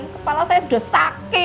kepala saya sudah sakit